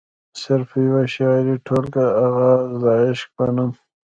صرف يوه شعري ټولګه “اغاز َد عشق” پۀ نوم